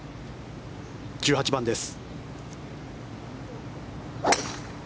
１８番です。